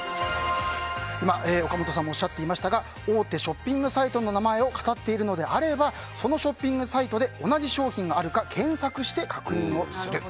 岡本さんもおっしゃっていましたが大手ショッピングサイトの名前をかたっているのであればそのショッピングサイトで同じ商品があるか検索して確認する。